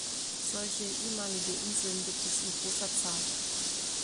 Solche ehemalige Inseln gibt es in großer Zahl.